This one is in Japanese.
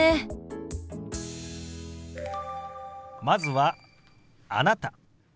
まずは「あなた」。